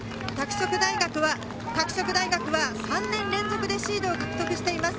拓殖大学は３年連続でシードを獲得しています。